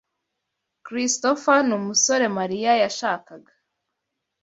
Christopher numusore Mariya yashakaga.